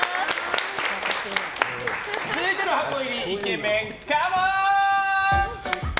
続いての箱入りイケメン、カモン！